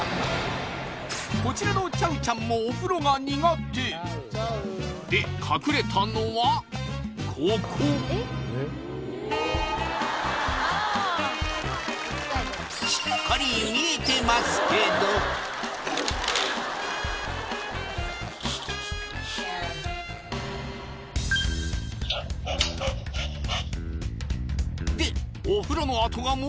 こちらのチャウちゃんもお風呂が苦手で隠れたのはここしっかり見えてますけどでハハハ